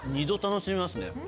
２度楽しめますね